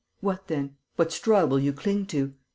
What then? What straw will you cling to?